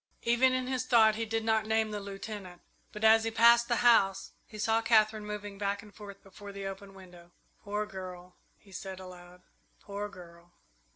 Even in his thought he did not name the Lieutenant, but, as he passed the house, he saw Katherine moving back and forth before the open window. "Poor girl," he said aloud. "Poor girl!"